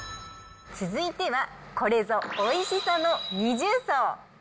続いては、これぞおいしさの二重奏。